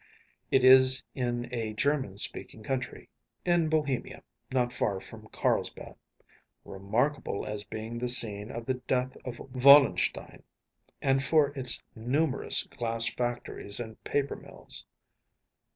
It is in a German speaking country‚ÄĒin Bohemia, not far from Carlsbad. ‚ÄėRemarkable as being the scene of the death of Wallenstein, and for its numerous glass factories and paper mills.